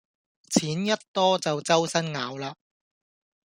錢一多就週身咬喇